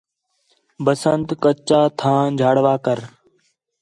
بسنت کچا تھاں جھاݨوا کر